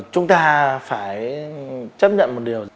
chúng ta phải chấp nhận một điều